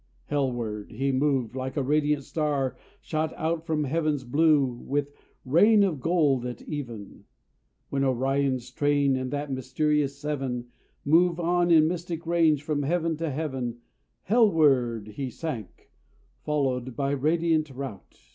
Hellward he moved like a radiant star shot out From heaven's blue with rain of gold at even, When Orion's train and that mysterious seven Move on in mystic range from heaven to heaven Hellward he sank, followed by radiant rout.